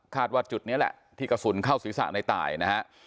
ว่าจุดนี้แหละที่กระสุนเข้าศีรษะในตายนะฮะ